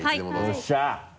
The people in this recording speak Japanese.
よっしゃ！